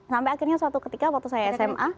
sampai akhirnya suatu ketika waktu saya sma